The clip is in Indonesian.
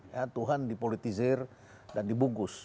ya tuhan dipolitisir dan dibungkus